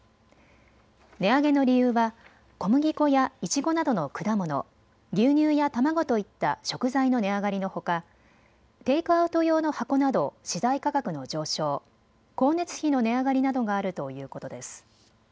値上げの理由は小麦粉やいちごなどの果物、牛乳や卵といった食材の値上がりのほかテイクアウト用の箱など資材価格の上昇、光熱費の値上がりなどがあるということです。